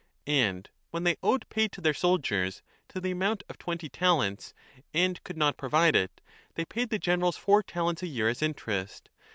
And when they owed pay to their soldiers to the amount of twenty talents and could not provide it, they paid the generals four talents a year as interest.